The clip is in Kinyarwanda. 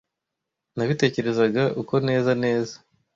Nabitekerezaga uko neza neza